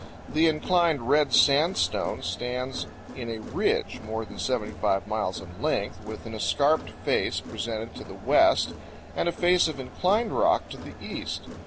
The inclined red sandstone stands in a ridge more than 75 miles in length, with an escarped face presented to the west and a face of inclined rock to the east.